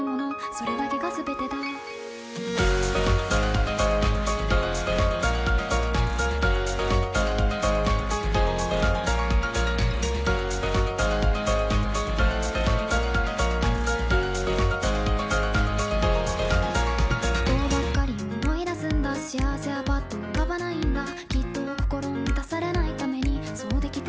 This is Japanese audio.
それだけが全てだ不幸ばっかりを思い出すんだ幸せはパッと浮かばないんだきっと心満たされない為にそう出来てるんだろう